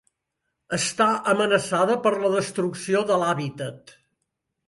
Està amenaçada per la destrucció de l'hàbitat.